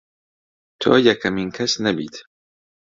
تۆ یەکەمین کەس نەبیت